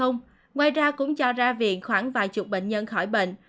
ngoài ra cũng cho ra viện khoảng vài chục bệnh nhân khỏi bệnh